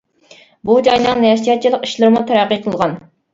بۇ جاينىڭ نەشرىياتچىلىق ئىشلىرىمۇ تەرەققىي قىلغان.